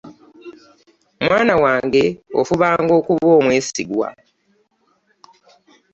Mwana wange ofubanga okuba omwesigwa.